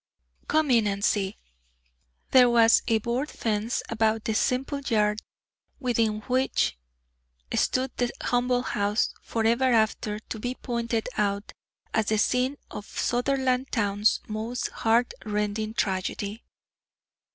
"Come in and see." There was a board fence about the simple yard within which stood the humble house forever after to be pointed out as the scene of Sutherlandtown's most heart rending tragedy.